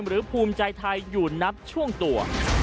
ภูมิใจไทยอยู่นับช่วงตัว